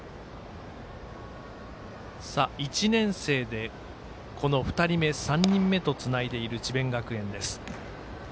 １年生で２人目、３人目とつないでいる智弁学園です。